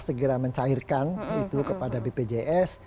segera mencairkan itu kepada bpjs